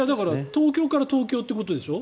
東京から東京ということでしょ？